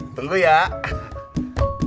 kalau kau nuh jalan aku akan datang ke sana